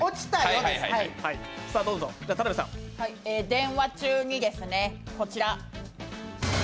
電話中にですね、こちら。